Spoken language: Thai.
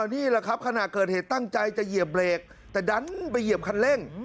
นี่แหละครับขณะเกิดเหตุตั้งใจจะเหยียบเบรกแต่ดันไปเหยียบคันเร่ง